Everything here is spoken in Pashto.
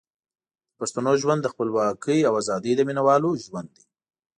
د پښتنو ژوند د خپلواکۍ او ازادۍ د مینوالو ژوند دی.